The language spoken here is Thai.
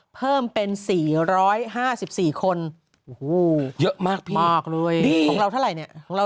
เพิ่มเป็น๔๕๔คน